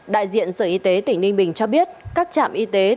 đại diện sở y tế tỉnh ninh bình cho biết các trạm y tế thiếu sinh phẩm